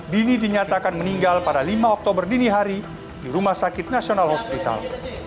dini dinyatakan meninggal pada lima oktober dini hari di rumah sakit nasional hospital